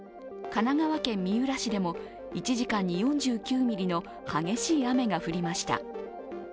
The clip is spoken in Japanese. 神奈川県三浦市でも１時間に４９ミリの激しい雨が降りました。